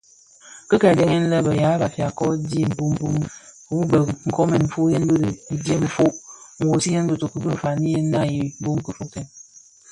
Ki kè dhëndèn lè be ya mbam ko dhi mbiň wu bë nkoomen nfuyen yi bi ndyem ufog, nwogsiyèn bitoki bi fañiyèn naa i bum ifogtèn.